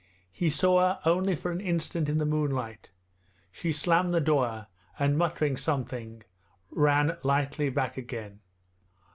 He saw her only for an instant in the moonlight. She slammed the door and, muttering something, ran lightly back again.